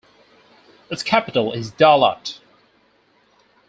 Its capital is Da Lat.